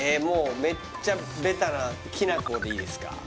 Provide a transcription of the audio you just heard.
もうめっちゃベタなきな粉でいいですか？